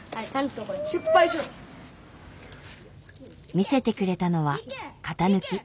見せてくれたのは型抜き。